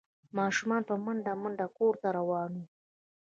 ماشومان په منډه منډه کور ته روان وو۔